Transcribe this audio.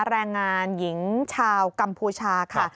แรงงานหญิงชาวกัมพูชาค่ะ